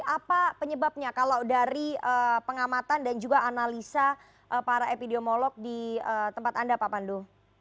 apa penyebabnya kalau dari pengamatan dan juga analisa para epidemiolog di tempat anda pak pandu